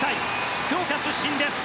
福岡出身です。